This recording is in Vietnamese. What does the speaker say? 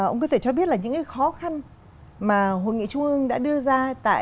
ông có thể cho biết những khó khăn mà hội nghị trung ương đã đưa ra